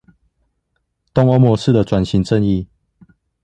東歐模式的轉型正義